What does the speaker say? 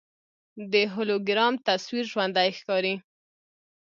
د هولوګرام تصویر ژوندی ښکاري.